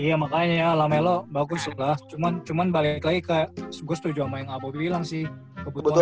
iya makanya lamelo bagus juga cuman balik lagi ke gua setuju sama yang apo bilang sih kebutuhan team